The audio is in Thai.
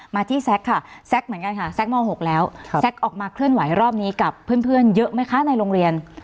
มาที่แซคค่ะแซคเหมือนกันค่ะแซคม๖แล้วแซ็กออกมาเคลื่อนไหวรอบนี้กับเพื่อนเยอะไหมคะในโรงเรียน